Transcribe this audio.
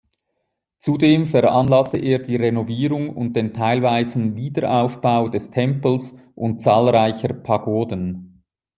Zudem veranlasste er die Renovierung und den teilweisen Wiederaufbau des Tempels und zahlreicher Pagoden.